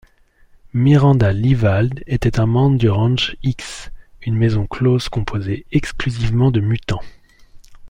Miranda Leevald était membre du Ranch X, une maison close composée exclusivement de mutants.